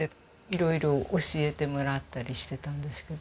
色々教えてもらったりしてたんですけど。